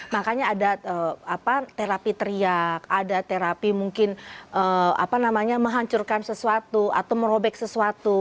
makanya ada terapi teriak ada terapi mungkin menghancurkan sesuatu atau merobek sesuatu